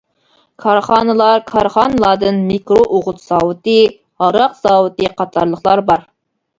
كارخانىلار كارخانىلاردىن مىكرو ئوغۇت زاۋۇتى، ھاراق زاۋۇتى قاتارلىقلار بار.